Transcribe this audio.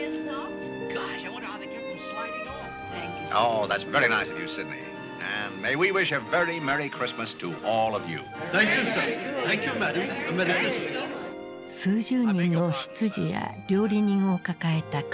数十人の執事や料理人を抱えた暮らし。